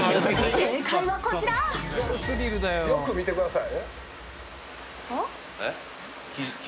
よく見てください。